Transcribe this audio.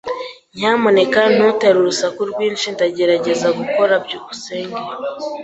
Nyamuneka ntutere urusaku rwinshi. Ndagerageza gukora. byukusenge